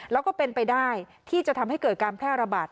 แล้วก็เป็นไปได้ที่จะทำให้เกิดการแพร่ระบาด